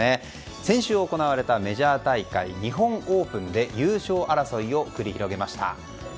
先週行われたメジャー大会日本オープンで優勝争いを繰り広げました。